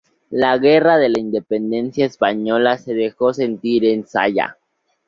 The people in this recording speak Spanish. La Guerra de la Independencia española se dejó sentir en Zalla.